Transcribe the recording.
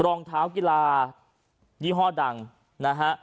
รองเท้ากีฬายี่ห้อดังนะฮะ